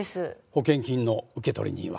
保険金の受取人は？